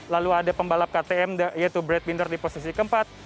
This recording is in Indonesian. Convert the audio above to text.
lalu ada pembalap ktm yaitu brad binder di posisi keempat